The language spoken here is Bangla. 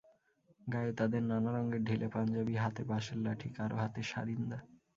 গায়ে তাদের নানা রঙের ঢিলে পাঞ্জাবি, হাতে বাঁশের লাঠি, কারও হাতে সারিন্দা।